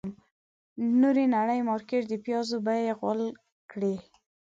د نورې نړۍ مارکيټ د پيازو بيې غول کړې.